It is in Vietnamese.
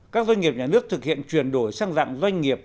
các doanh nghiệp nhà nước thực hiện chuyển đổi sang dạng doanh nghiệp